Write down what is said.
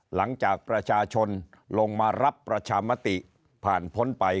หลังจากประชาชนลงมารับประชามติผ่านพ้นไป